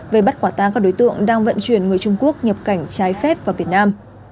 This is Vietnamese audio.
về bắt quả tang các đối tượng đang vận chuyển người trung quốc nhập cảnh trái phép vào việt nam